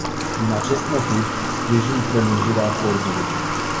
Din acest motiv, sprijin prelungirea acordului.